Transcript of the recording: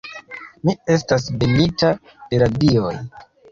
Mi estas benita de la dioj.